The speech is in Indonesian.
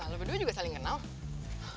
lo berdua juga saling kenal